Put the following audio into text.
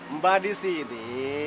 mbah di sini